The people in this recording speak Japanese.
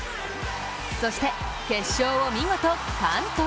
そして、決勝を見事完登。